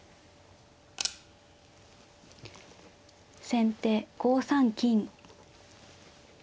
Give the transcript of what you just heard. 先手５三金。